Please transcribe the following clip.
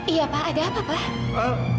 iya pak ada apa pak